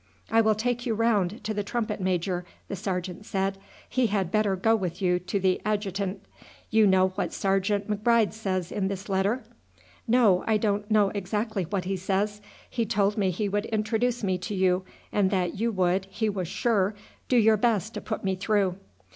"I will take you round to the trumpet major," the sergeant said; "he had better go with you to the adjutant. You know what Sergeant M'Bride says in this letter?" "No, I don't know exactly what he says. He told me he would introduce me to you, and that you would, he was sure, do your best to put me through."